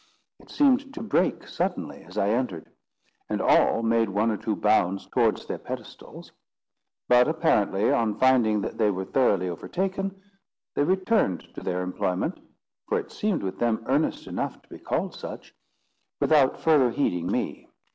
It seemed to break suddenly as I entered, and all made one or two bounds towards their pedestals; but, apparently on finding that they were thoroughly overtaken, they returned to their employment (for it seemed with them earnest enough to be called such) without further heeding me.